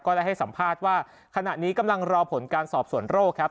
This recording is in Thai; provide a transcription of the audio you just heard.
ได้ให้สัมภาษณ์ว่าขณะนี้กำลังรอผลการสอบส่วนโรคครับ